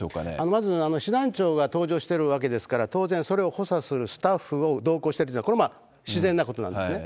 まず、師団長が搭乗してるわけですから、当然、それを補佐するスタッフを同行してるというのは、自然なことなんですね。